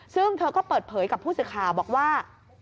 ซึ่งเธอก็เปิดเผยกับผู้สื่อข่าวบอกว่า